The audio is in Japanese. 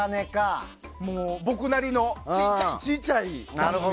僕なりのちいちゃいちいちゃい。